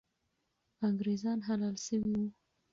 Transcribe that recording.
انګریزان حلال سوي وو.